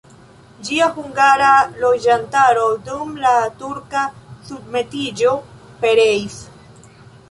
Ĝia hungara loĝantaro dum la turka submetiĝo pereis.